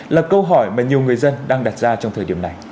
là câu hỏi mà nhiều người dân đang đặt ra trong thời điểm này